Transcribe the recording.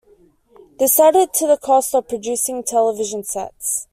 This added to the cost of producing television sets.